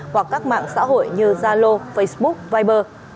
hoặc các mạng xã hội như zalo facebook viber